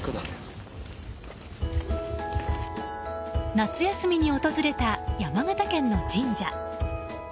夏休みに訪れた山形県の神社。